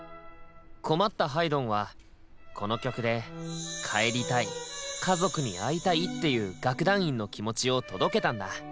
困ったハイドンはこの曲で「帰りたい」「家族に会いたい」っていう楽団員の気持ちを届けたんだ。